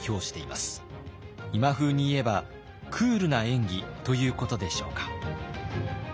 今風に言えば「クールな演技」ということでしょうか。